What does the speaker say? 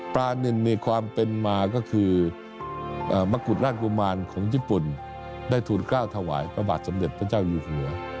นินในความเป็นมาก็คือมะกุฎราชกุมารของญี่ปุ่นได้ทูลกล้าวถวายพระบาทสมเด็จพระเจ้าอยู่หัว